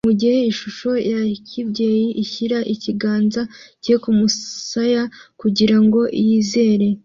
mugihe ishusho ya kibyeyi ishyira ikiganza cye kumusaya kugirango yizere